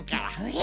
え？